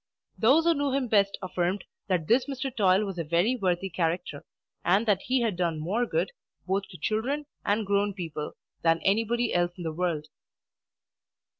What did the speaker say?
Those who knew him best affirmed that this Mr. Toil was a very worthy character; and that he had done more good, both to children and grown people, than anybody else in the world.